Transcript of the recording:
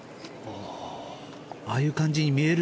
ああいう感じに見える？